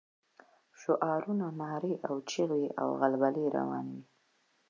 شعارونه، نارې او چيغې وې او غلبلې روانې وې.